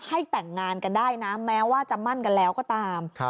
ให้แต่งงานกันได้นะแม้ว่าจะมั่นกันแล้วก็ตาม